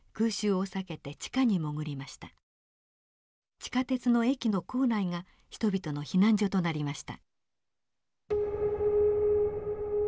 地下鉄の駅の構内が人々の避難所となりました。